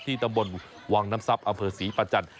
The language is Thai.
ตำบลวังน้ำทรัพย์อำเภอศรีประจันทร์